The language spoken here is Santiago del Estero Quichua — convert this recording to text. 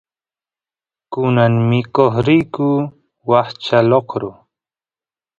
kunan mikoq riyku washcha lokro